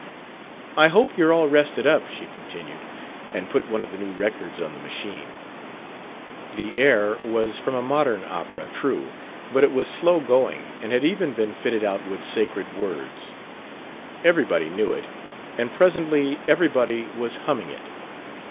"I hope you're all rested up," she continued, and put one of the new records on the machine. The air was from a modern opera, true; but it was slow going and had even been fitted out with "sacred" words. Everybody knew it, and presently everybody was humming it.